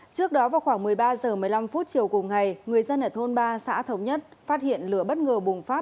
trước đó vào khoảng một mươi ba h một mươi năm chiều cùng ngày người dân ở thôn ba xã thống nhất phát hiện lửa bất ngờ bùng phát